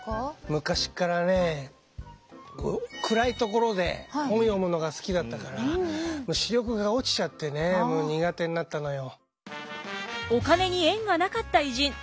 昔っからね暗い所で本読むのが好きだったから視力が落ちちゃってねもう苦手になったのよ。